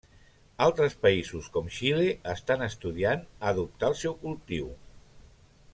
Altres països, com Xile, estan estudiant adoptar el seu cultiu.